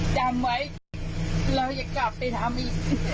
จำไว้เราจะกลับไปทำอีก